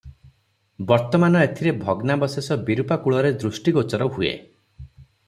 ବର୍ତ୍ତମାନ ଏଥିର ଭଗ୍ନାବଶେଷ ବିରୂପାକୂଳରେ ଦୃଷ୍ଟିଗୋଚର ହୁଏ ।